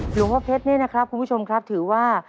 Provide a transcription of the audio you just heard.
หลวงพ่อเพชรนี่นะครับคุณผู้ชมครับถือว่า